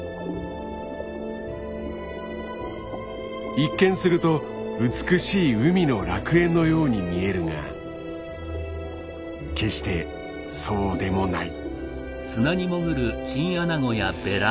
一見すると美しい海の楽園のように見えるが決してそうでもない。